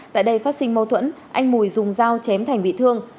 tại đây phát sinh mâu thuẫn anh mùi dùng dao chém thành bị thương